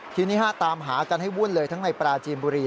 ทีนี้ตามหากันให้วุ่นเลยทั้งในปราจีนบุรี